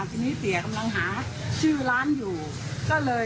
ทีนี้เตี๋ยวกำลังหาชื่อร้านอยู่ก็เลยเอาธรรมดานี่แหละใช้ได้